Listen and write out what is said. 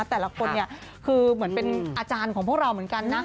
แต่ละคนเนี่ยคือเหมือนเป็นอาจารย์ของพวกเราเหมือนกันนะ